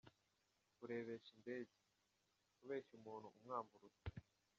Kurebesha indege: kubeshya umuntu umwambura utwe.